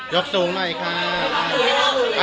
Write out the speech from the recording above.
ยกสูงหน่อยค่ะ